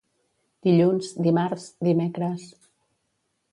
Dilluns, dimarts, dimecres...